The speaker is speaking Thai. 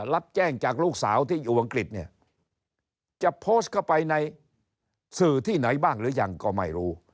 รับแจ้งจากลูกสาวที่อยู่อังกฤษเนี่ยจะโพสต์เข้าไปในสื่อที่ไหนบ้างหรือยังก็ไม่รู้